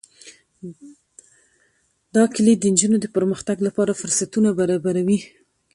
دا کلي د نجونو د پرمختګ لپاره فرصتونه برابروي.